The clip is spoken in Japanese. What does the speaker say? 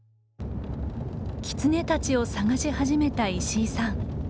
キツネたちを探し始めた石井さん。